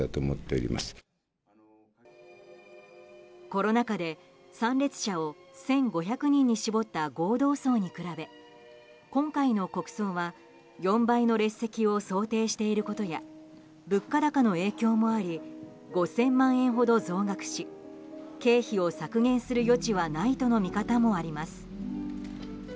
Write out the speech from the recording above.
コロナ禍で参列者を１５００人に絞った合同葬に比べ今回の国葬は４倍の列席を想定していることや物価高の影響もあり５０００万円ほど増額し経費を削減する余地はないとの見方もあります。